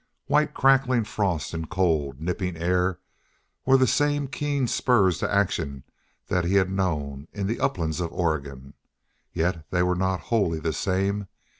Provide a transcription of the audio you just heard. White, crackling frost and cold, nipping air were the same keen spurs to action that he had known in the uplands of Oregon, yet they were not wholly the same.